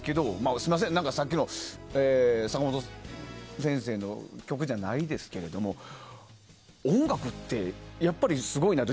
すみません、さっきの坂本先生の曲じゃないですけれど音楽ってやっぱりすごいなと。